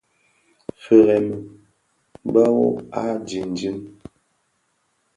Firemi, bëbhog a jinjin.